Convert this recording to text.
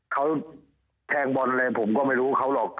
เขาแทงบอลอะไรผมก็ไม่รู้เขาหรอก